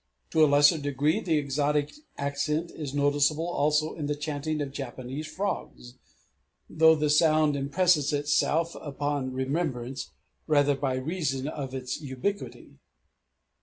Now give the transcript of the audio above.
To a lesser degree the exotic accent is noticeable also in the chanting of Japanese frogs, though the sound impresses itself upon remembrance rather by reason of its ubiquity.